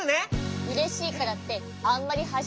うれしいからってあんまりはしゃいじゃダメよ。